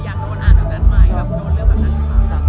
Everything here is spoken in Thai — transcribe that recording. อย่างน้องมันอาจจะนั้นใหม่ครับ